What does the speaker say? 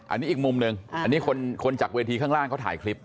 อันนี้อีกมุมหนึ่งอันนี้คนจากเวทีข้างล่างเขาถ่ายคลิป